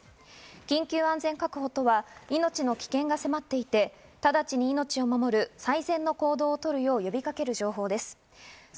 緊急安全確保とは、命の危険が迫っていて直ちに命を守る最善の行動をとるよう呼びかける情報です。